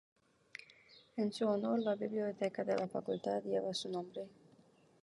En su honor, la biblioteca de la facultad lleva su nombre.